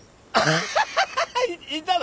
ハハハハハいたの？